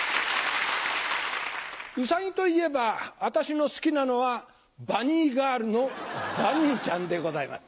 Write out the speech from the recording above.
ウサギといえば私の好きなのはバニーガールのバニーちゃんでございます。